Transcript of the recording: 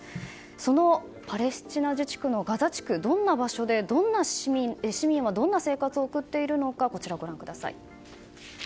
そのパレスチナ自治区のガザ地区どんな場所で市民はどんな生活を送っているのか、ご覧ください。